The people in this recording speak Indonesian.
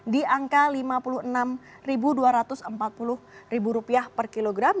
di angka lima puluh enam dua ratus empat puluh ribu rupiah per kilogram